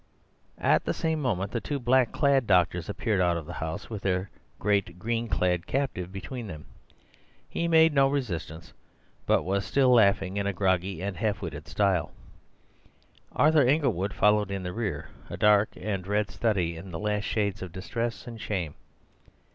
At the same moment the two black clad doctors appeared out of the house with their great green clad captive between them. He made no resistance, but was still laughing in a groggy and half witted style. Arthur Inglewood followed in the rear, a dark and red study in the last shades of distress and shame.